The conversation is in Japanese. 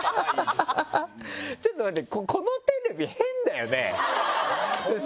ちょっと待って。